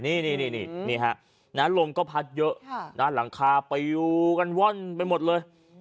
นี่นี่ครับลมก็พัดเยอะหลังคาไปอยู่กันว่อนไปหมดเลย